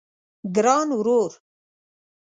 ګران ورور